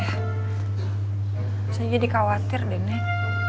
bisa jadi khawatir deh neng